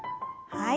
はい。